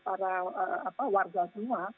para warga semua